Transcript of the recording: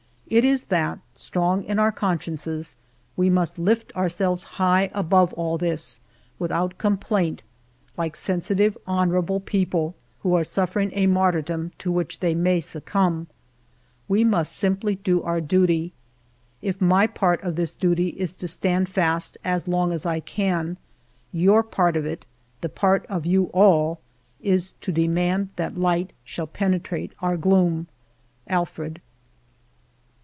It is that, strong in our consciences, we must lift ourselves high above all this, without complaint, like sensitive, honor able people, who are suffering a martyrdom to which they may succumb. We must simply do ALFRED DREYFUS 229 our duty. If my part of this duty is to stand fast as long as I can, your part of it — the part of you all — is to demand that light shall penetrate our gloom. Alfred.